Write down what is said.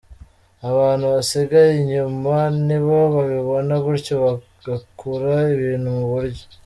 Abantu basigaye inyuma nibo babibona gutyo bagakura ibintu mu buryo.